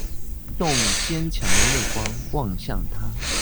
用堅強的目光望向他